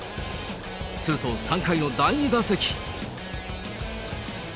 すると、３回の第２打席。